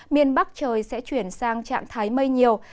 miền bắc trời sẽ chuyển sang trạng thái mây nhiều